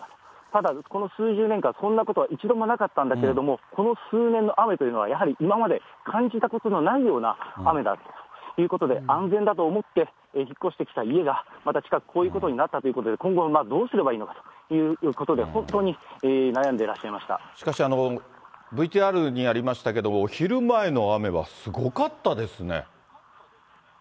ただ、この数十年間、こんなことは一度もなかったんだけれども、この数年の雨というのは、やはり今まで感じたことのないような雨だということで、安全だと思って引っ越してきた家が、また近く、こういうことになったということで、今後どうすればいいのかということで、本当に悩んでらっしゃいましかし、ＶＴＲにありましたけれども、お昼前の雨はすごかったですね。